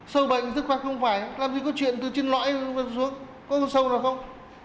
sâu bệnh tức khóa không phải làm gì có chuyện từ trên lõi xuống có sâu nào không